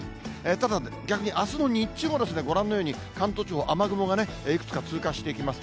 ただ、逆にあすの日中も、ご覧のように関東地方、雨雲がいくつか通過していきます。